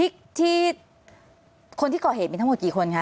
ที่คนที่ก่อเหตุมีทั้งหมดกี่คนคะ